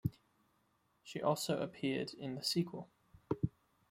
She also appeared in the sequel.